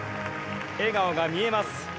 笑顔が見えます。